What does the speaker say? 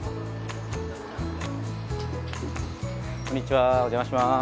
こんにちはお邪魔します。